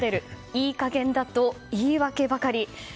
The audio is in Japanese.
いい加減だと言い訳ばかり。